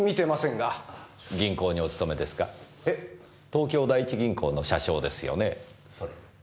東京第一銀行の社章ですよねぇそれ。